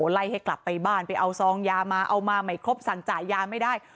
ไล่ให้กลับไปบ้านไปเอาซองยามาเอามาไม่ครบสั่งจ่ายยาไม่ได้